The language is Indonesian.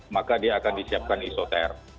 maka dia akan disiapkan isoter